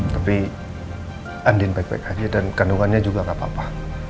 tapi andin baik baik aja dan kandungannya juga nggak apa apa